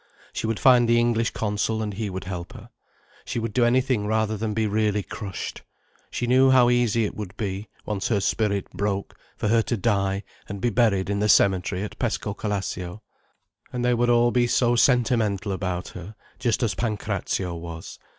She would find the English Consul and he would help her. She would do anything rather than be really crushed. She knew how easy it would be, once her spirit broke, for her to die and be buried in the cemetery at Pescocalascio. And they would all be so sentimental about her—just as Pancrazio was.